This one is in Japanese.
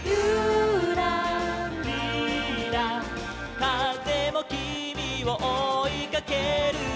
「かぜもきみをおいかけるよ」